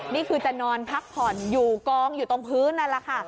นี่คือจะนอนพักผ่อนอยู่กองอยู่ตรงพื้นนั่นแหละค่ะ